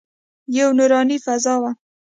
یوه نوراني فضا وه.